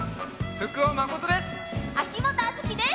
福尾誠です！